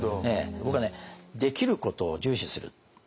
僕はねできることを重視する。